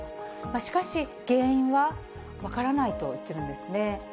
しかし、原因は分からないと言っているんですね。